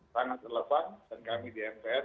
sangat relevan dan kami di mpr